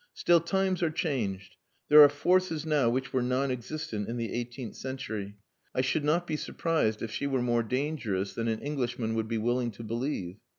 Still, times are changed. There are forces now which were non existent in the eighteenth century. I should not be surprised if she were more dangerous than an Englishman would be willing to believe.